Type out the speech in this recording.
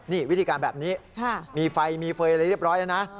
นี่วิธีการแบบนี้มีไฟมีเฟย์อะไรเรียบร้อยแล้วนะ